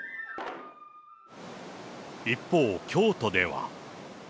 一方、京都では。